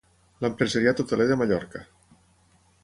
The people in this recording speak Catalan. L'empresariat hoteler de Mallorca.